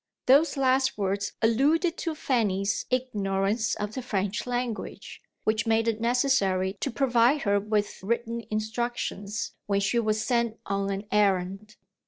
Those last words alluded to Fanny's ignorance of the French language, which made it necessary to provide her with written instructions, when she was sent on an errand.